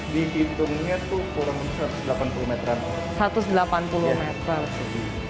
dihitungnya tuh kurang satu ratus delapan puluh meter persegi